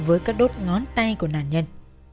với các đốt ngón tay của nạn nhân